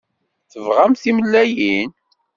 Tebɣamt timellalin?